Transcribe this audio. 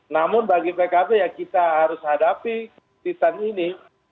namun bagi pkb ya kita harus hadapi kesulitan ini